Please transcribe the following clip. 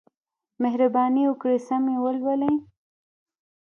مهرباني وکړئ سم یې ولولئ.